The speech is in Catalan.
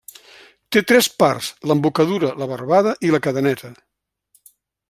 Té tres parts: l'embocadura, la barbada i la cadeneta.